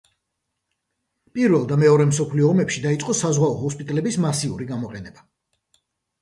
პირველ და მეორე მსოფლიო ომებში დაიწყო საზღვაო ჰოსპიტალების მასიური გამოყენება.